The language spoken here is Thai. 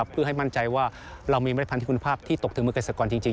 เพื่อให้มั่นใจว่าเรามีเมล็ดพันธิคุณภาพที่ตกถึงมือเกษตรกรจริง